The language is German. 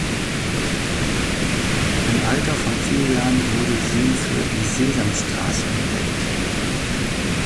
Im Alter von vier Jahren wurde sie für die "Sesamstraße" entdeckt.